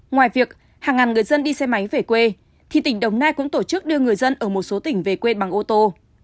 ngoài việc hàng ngàn người dân đi xe máy về quê thì tỉnh đồng nai cũng tổ chức đưa người dân ở một số tỉnh về quê bằng ô tô